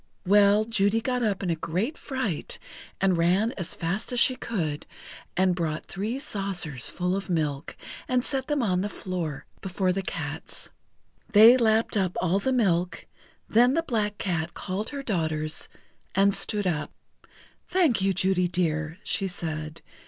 Well, Judy got up in a great fright and ran as fast as she could, and brought three saucers full of milk, and set them on the floor before the cats. They lapped up all the milk, then the Black Cat called her daughters and stood up. "Thank you, Judy dear," she said.